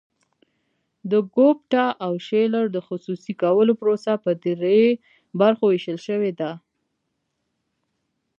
د ګوپټا او شیلر د خصوصي کولو پروسه په درې برخو ویشل شوې ده.